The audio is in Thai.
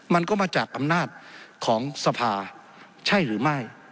มันก็มาจากอำนาจของสภาใช่หรือไม่